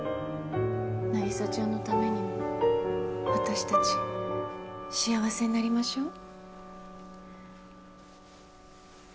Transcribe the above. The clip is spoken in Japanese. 凪沙ちゃんのためにも私たち幸せになりましょう。